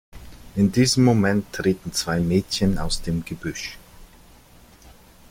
In diesem Moment treten zwei Mädchen aus dem Gebüsch.